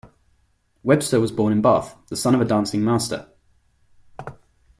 Webster was born in Bath, the son of a dancing master.